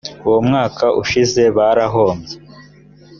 uwo mwaka ushize barahombye